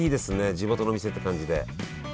地元の店って感じで。